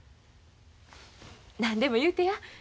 何でも言うてや。